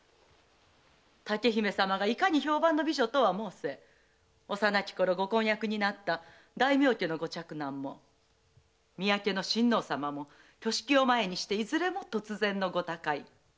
竹姫様がいかに評判の美女とはもうせ幼きころご婚約になった大名家のご嫡男も宮家の親王様も挙式を前にしていずれも突然のご他界。